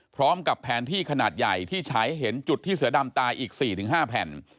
พร้อมกับแผนที่ขนาดใหญ่ที่ฉายเห็นจุดที่เสือดำตายอีก๔๕แผ่น